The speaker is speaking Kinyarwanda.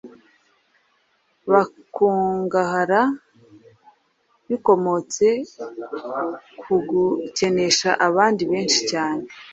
bakungahara bikomotse ku gukenesha abandi benshi cyane;